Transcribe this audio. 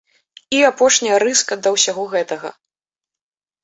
І апошняя рыска да ўсяго гэтага.